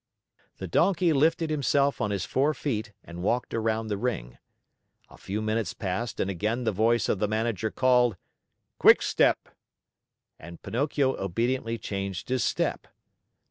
The Donkey lifted himself on his four feet and walked around the ring. A few minutes passed and again the voice of the Manager called: "Quickstep!" and Pinocchio obediently changed his step.